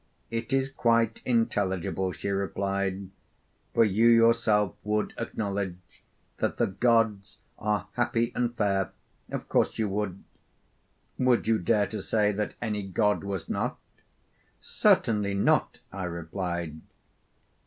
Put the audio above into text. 'It is quite intelligible,' she replied; 'for you yourself would acknowledge that the gods are happy and fair of course you would would you dare to say that any god was not?' 'Certainly not,' I replied.